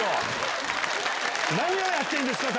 何をやってるんですか！